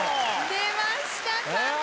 出ましたかね。